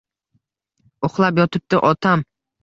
Uxlab yotibdi otam.